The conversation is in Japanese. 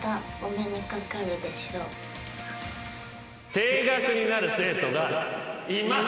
停学になる生徒がいます。